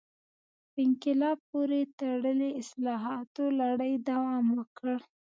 په انقلاب پورې تړلو اصلاحاتو لړۍ دوام وکړ.